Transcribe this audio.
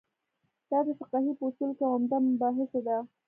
دا د فقهې په اصولو کې عمده مباحثو ده.